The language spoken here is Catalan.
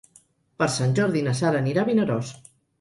Per Sant Jordi na Sara anirà a Vinaròs.